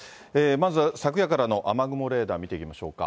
まずは昨夜からの雨雲レーダー見ていきましょうか。